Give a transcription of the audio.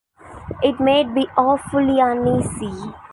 It made me awfully uneasy.